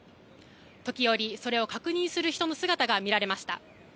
時折それを確認する人の姿が見られました。